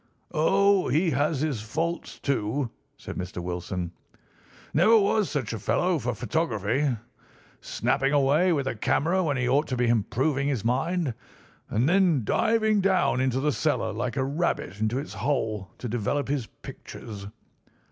"Oh, he has his faults, too," said Mr. Wilson. "Never was such a fellow for photography. Snapping away with a camera when he ought to be improving his mind, and then diving down into the cellar like a rabbit into its hole to develop his pictures.